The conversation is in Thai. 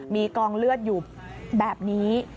มีกองเลือดอยู่แบบนี้